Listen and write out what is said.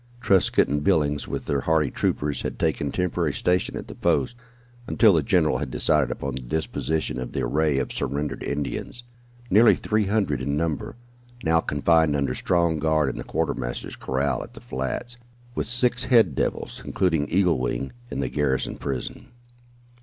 Truscott and Billings, with their hardy troopers, had taken temporary station at the post, until the general had decided upon the disposition of the array of surrendered Indians, nearly three hundred in number, now confined under strong guard in the quartermaster's corral at the flats, with six "head devils," including Eagle Wing, in the garrison prison.